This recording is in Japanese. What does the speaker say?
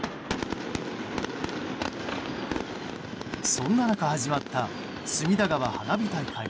そんな中、始まった隅田川花火大会。